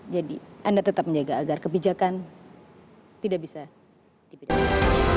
jadi anda tetap menjaga agar kebijakan tidak bisa dipidanakan